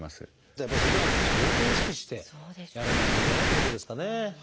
ふだんも相当意識してやらないといけないってことですかね。